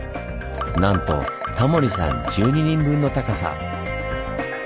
なんとタモリさん１２人分の高さ。